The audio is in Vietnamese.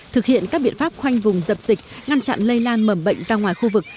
thực hiện các biện pháp khoanh vùng dập dịch ngăn chặn lây lan mầm bệnh ra ngoài khu vực